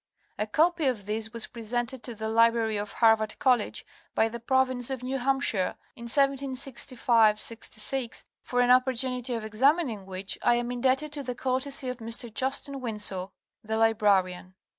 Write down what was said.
A copy of this was presented to the library of Harvard College by the province of New Hampshire in 1765 6, for an opportunity of examining which I am indebted to the courtesy of Mr. Justin Winsor, the Librarian.